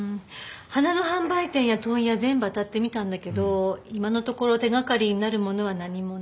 花の販売店や問屋全部あたってみたんだけど今のところ手掛かりになるものは何もなし。